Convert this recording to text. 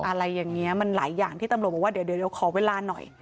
อะไรอย่างนี้มันหลายอย่างที่ตำรวจบอกว่าเดี๋ยวขอเวลาหน่อย